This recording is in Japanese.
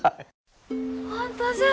本当じゃあ。